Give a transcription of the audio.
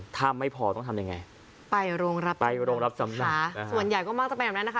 ถ้าไม่พอต้องทำยังไงไปโรงรับไปโรงรับจำนำส่วนใหญ่ก็มักจะเป็นแบบนั้นนะคะ